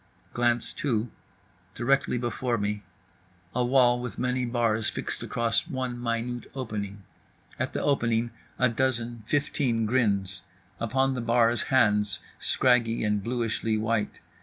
Glance two: directly before me. A wall with many bars fixed across one minute opening. At the opening a dozen, fifteen, grins. Upon the bars hands, scraggy and bluishly white.